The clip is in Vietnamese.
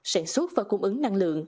sản xuất và cung ứng năng lượng